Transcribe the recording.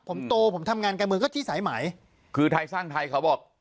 ผมโตผมทำงานการเมืองก็ที่สายไหมคือไทยสร้างไทยเขาบอก